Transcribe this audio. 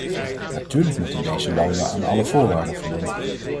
Natuurlijk moeten deze landen aan alle voorwaarden voldoen.